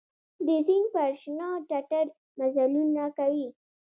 د سیند پر شنه ټټر مزلونه کوي